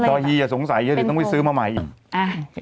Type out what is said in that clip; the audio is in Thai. ตอฮีอย่าสงสัยต้องไปซื้อมาใหม่อีก